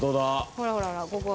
ほらほらほらここ。